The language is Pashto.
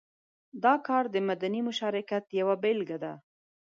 دا کار د مدني مشارکت یوه بېلګه ده.